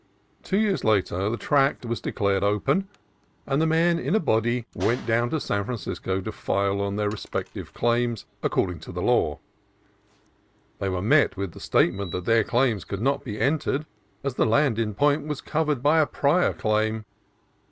Two years later the tract was de clared open, and the men in a body went down to San Francisco to "file" on their respective claims according to law. They were met with the state ment that their claims could not be entered, as the land in point was covered by a prior claim.